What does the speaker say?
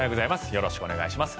よろしくお願いします。